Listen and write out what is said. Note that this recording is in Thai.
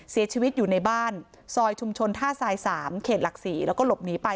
เสียชีวิตอยู่ในบ้านซอยชุมชนท่าทราย๓เขตหลัก๔แล้วก็หลบหนีไป